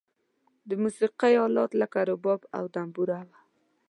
د موسیقی آلات لکه رباب او دمبوره و.